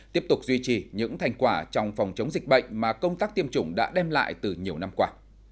tiếp tục duy trì những thành quả trong phòng chống dịch bệnh mà công tác tiêm chủng đã đem lại từ nhiều năm qua